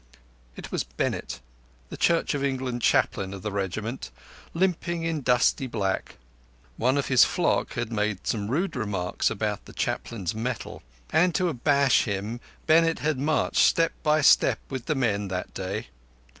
It was Bennett, the Church of England Chaplain of the regiment, limping in dusty black. One of his flock had made some rude remarks about the Chaplain's mettle; and to abash him Bennett had marched step by step with the men that day.